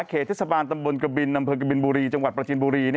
เขตเจษฐรรณตำบลกระบินนำเผื่อกระบินบุรีจังหวัดประจินบุรี